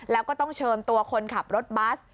แล้วก็ต้องเชิญตัวคนขับรถบัส